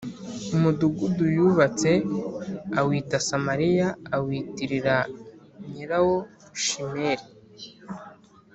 Umudugudu yubatse awita Samariya, awitirira nyirawo Shemeri